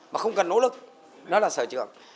mà không cần nỗ lực nó là sở trường